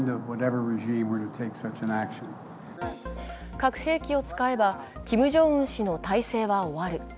核兵器を使えば、キム・ジョンウン氏の体制は終わる。